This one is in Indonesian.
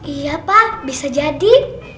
iya pak bisa jadi